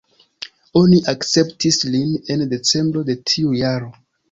Oni akceptis lin en decembro de tiu jaro.